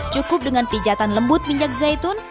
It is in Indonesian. cukup dengan pijatan lembut minyak zaitun